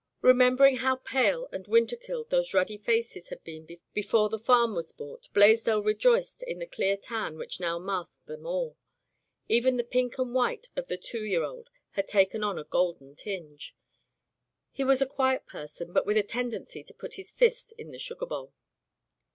Remembering how pale and winter killed those ruddy faces had been before the farm [ 323 ] Digitized by LjOOQ IC Interventions was bought, Blaisdell rejoiced in the clear tan which now masked diem all. Even the pink and white of the two year old had taken on a golden tinge. He was a quiet person, but with a tendency to put his fist in the sugar bowl.